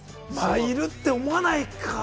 いるって思わないか。